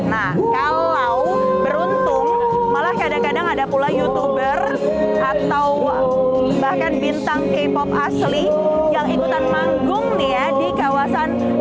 nah kalau beruntung malah kadang kadang ada pula youtuber atau bahkan bintang k pop asli yang ikutan manggungnya di kawasan hongdae ini